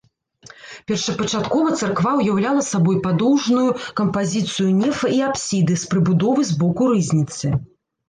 Першапачаткова царква ўяўляла сабой падоўжную кампазіцыю нефа і апсіды з прыбудовай збоку рызніцы.